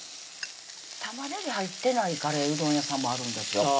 玉ねぎ入ってないカレーうどん屋さんもあるんですよ